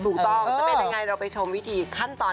ถูกต้องจะเป็นยังไงเราไปชมวิธีขั้นตอน